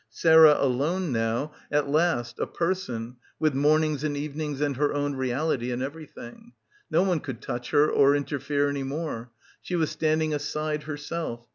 Sarah alone now, at last, a person, with mornings and evenings and her own reality in everything. No one could touch her or interfere any more. She was stand ing aside, herself.